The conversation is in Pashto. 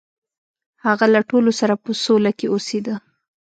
هغه له ټولو سره په سوله کې اوسیده.